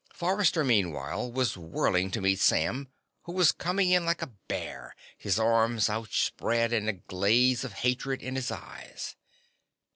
Forrester, meanwhile, was whirling to meet Sam, who was coming in like a bear, his arms outspread and a glaze of hatred in his eyes.